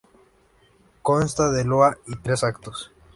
Consta de loa y tres actos.